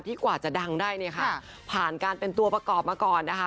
กว่าจะดังได้เนี่ยค่ะผ่านการเป็นตัวประกอบมาก่อนนะคะ